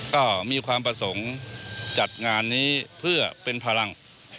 ก็มีความประสงค์จัดงานนี้เพื่อเป็นพลัง